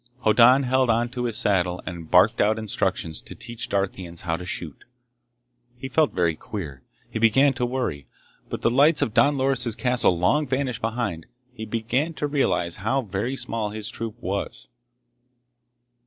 Hoddan held on to his saddle and barked out instructions to teach Darthians how to shoot. He felt very queer. He began to worry. With the lights of Don Loris' castle long vanished behind, he began to realize how very small his troop was.